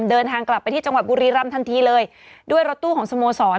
เดินทางกลับไปที่จังหวัดบุรีรำทันทีเลยด้วยรถตู้ของสโมสร